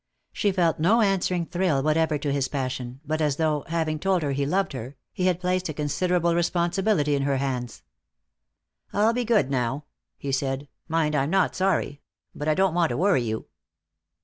She felt no answering thrill whatever to his passion, but as though, having told her he loved her, he had placed a considerable responsibility in her hands. "I'll be good now," he said. "Mind, I'm not sorry. But I don't want to worry you."